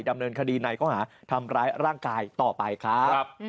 ดำเนินคดีในข้อหาทำร้ายร่างกายต่อไปครับ